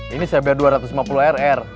ini saya bayar dua ratus lima puluh rr